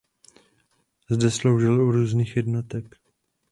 Zde sloužil u různých jednotek.